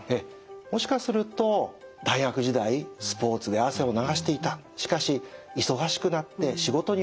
もしかすると大学時代スポーツで汗を流していた。